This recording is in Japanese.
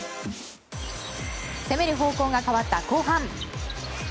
攻める方向が変わった後半。